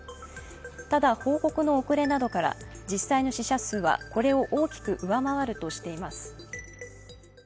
ただ、報告の遅れなどから実際の死者数はこれを大きく上回るとしています。